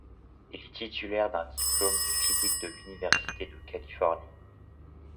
Il est titulaire d'un diplôme de physique de l'Université de Californie.